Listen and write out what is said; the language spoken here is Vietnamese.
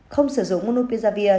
ba không sử dụng bonupiravir